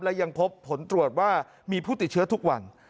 และยังพบผลตรวจว่ามีผู้ติดเชื้อทุกวัน